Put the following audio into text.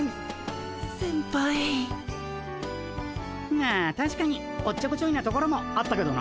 まあたしかにおっちょこちょいなところもあったけどな。